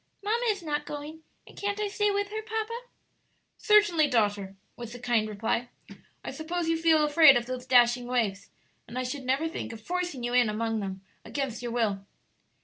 "Mamma is not going, and can't I stay with her, papa?" "Certainly, daughter," was the kind reply. "I suppose you feel afraid of those dashing waves, and I should never think of forcing you in among them against your will."